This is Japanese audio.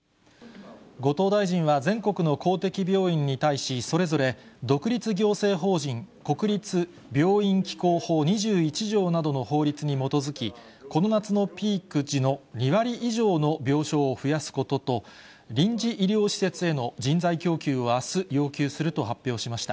後藤大臣は全国の公的病院に対し、それぞれ独立行政法人国立病院機構法２１条などの法律に基づき、この夏のピーク時の２割以上の病床を増やすことと、臨時医療施設への人材供給をあす、要求すると発表しました。